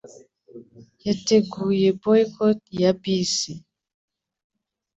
Yateguye boycott ya bisi.